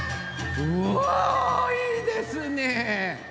うわいいですね！